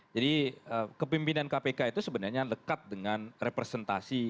jadi kepimpinan kpk itu sebenarnya lekat dengan representasi